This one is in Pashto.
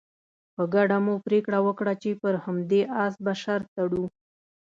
په ګډه مو پرېکړه وکړه چې پر همدې اس به شرط تړو.